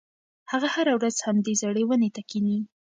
هغه هره ورځ همدې زړې ونې ته کښېني.